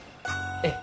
ええ。